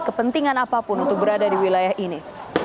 kepentingan apapun untuk berada di wilayah ini